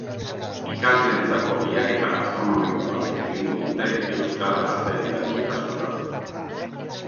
Ikasleentzako lehiaketa gastronomiko bat ere egingo dute, euskal gazten erabilera sustatzeko.